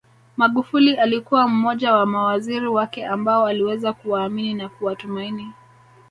Magufuli alikuwa mmoja wa mawaziri wake ambao aliweza kuwaamini na kuwatumaini